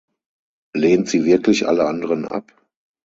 Lehnt sie wirklich alle anderen ab?